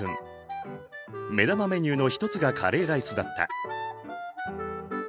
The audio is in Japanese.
目玉メニューの一つがカレーライスだった。